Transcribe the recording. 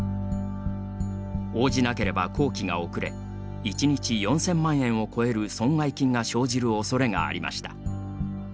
応じなければ工期が遅れ１日４０００万円を超える損害金が生じるおそれがありました。